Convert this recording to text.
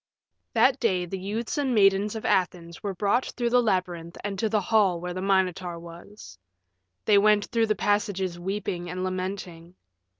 V That day the youths and maidens of Athens were brought through the labyrinth and to the hall where the Minotaur was. They went through the passages weeping and lamenting.